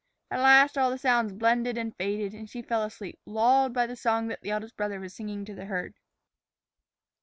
At last all the sounds blended and faded, and she fell asleep, lulled by the song that the eldest brother was singing to the herd.